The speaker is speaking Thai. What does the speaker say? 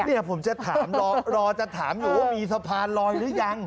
เนี่ยผมจะถามรอจะถามอยู่ว่ามีสะพานลอยหรือยัง